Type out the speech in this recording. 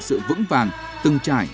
sự vững vàng từng trải